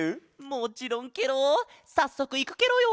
もちろんケロさっそくいくケロよ！